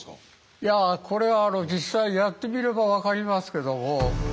いやこれはあの実際やってみれば分かりますけども。